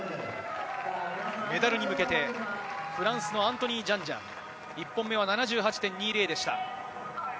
メダルに向けて、フランスのアントニー・ジャンジャン。１本目は７８．２０でした。